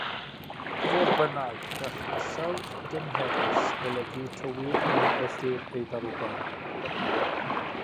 Fodd bynnag, gall hinsawdd dymherus olygu tywydd na ellir ei ddarogan.